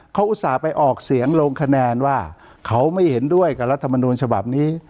เขาอุตส่าห์ไปออกเสียงลงคะแนนว่าเขาไม่เห็นด้วยกับรัฐมนูลฉบับนี้